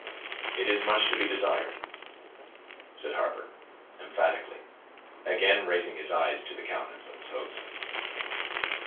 "It is much to be desired," said Harper, emphatically, again raising his eyes to the countenance of his host.